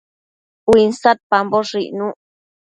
Uinsadpamboshë icnuc